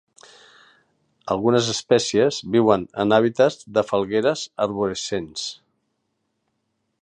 Algunes espècies viuen en hàbitats de falgueres arborescents.